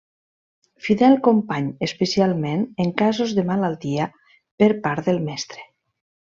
Fidel company especialment en casos de malaltia per part del mestre.